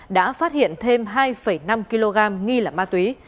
đã phát hiện thêm hai năm kg nghi là ma túy